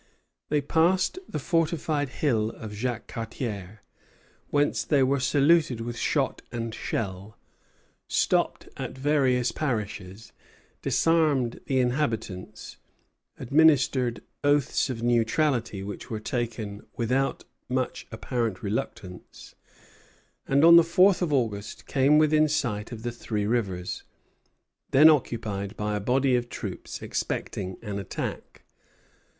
They passed the fortified hill of Jacques Cartier, whence they were saluted with shot and shell, stopped at various parishes, disarmed the inhabitants, administered oaths of neutrality, which were taken without much apparent reluctance, and on the fourth of August came within sight of Three Rivers, then occupied by a body of troops expecting an attack.